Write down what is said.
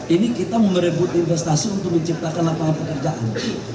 ini kita merebut investasi untuk menciptakan lapangan pekerjaan